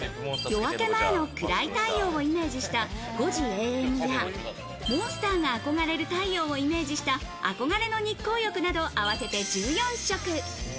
夜明け前の暗い太陽をイメージした「５：００ＡＭ」や、モンスターが憧れる太陽をイメージした「憧れの日光浴」など合わせて１４色。